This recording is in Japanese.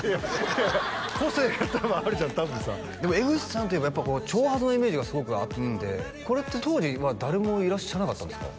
個性が多分あるじゃん多分さでも江口さんといえばやっぱこの長髪のイメージがすごくあってこれって当時は誰もいらっしゃらなかったんですか？